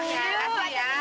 ya kasih ya